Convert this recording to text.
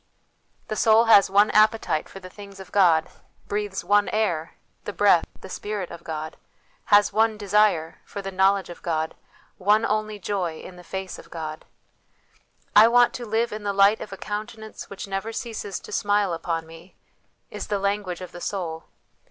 The soul has one appetite, for the things of God ; breathes one air, the breath, the Spirit of God ; has one desire, for the knowledge of God ; one only joy, in the face of God. " I want to live in the Light of a Countenance which never ceases to smile upon me," 1 is the language of the soul.